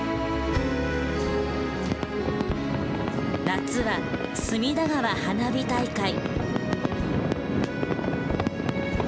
夏は隅田川花火大会。